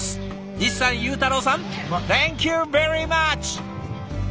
西さん裕太郎さんセンキューベリーマッチ！